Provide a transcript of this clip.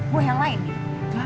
buah yang lain nih